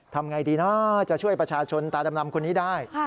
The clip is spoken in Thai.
ทำอย่างไรดีนะจะช่วยประชาชนตาดำลำคนนี้ได้